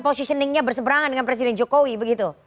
positioningnya berseberangan dengan presiden jokowi begitu